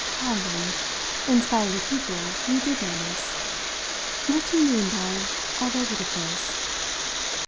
"Ah, then, in spite of the people, you did notice. What do you mean by 'all over the place'?"